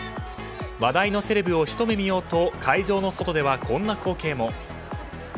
話題のセレブをひと目見ようと会場の外ではこんな光景も。